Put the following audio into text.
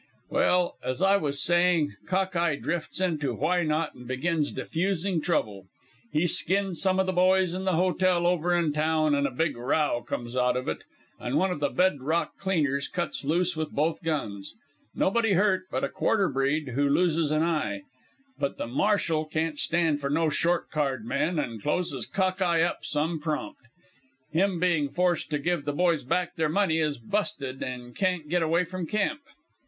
"Well, as I was saying, Cock eye drifts into Why not and begins diffusing trouble. He skins some of the boys in the hotel over in town, and a big row comes of it, and one of the bed rock cleaners cuts loose with both guns. Nobody hurt but a quarter breed, who loses a' eye. But the marshal don't stand for no short card men, an' closes Cock eye up some prompt. Him being forced to give the boys back their money is busted an' can't get away from camp.